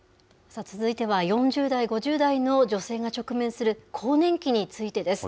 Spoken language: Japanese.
さあ続いては、４０代、５０代の女性が直面する更年期についてです。